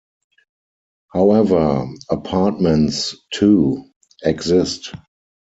However apartments too exist.